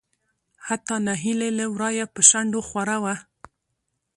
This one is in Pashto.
حتا نهيلي له ورايه په شنډو خوره وه .